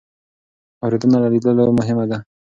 اورېدنه له لیدلو مهمه ده.